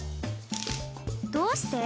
どうして？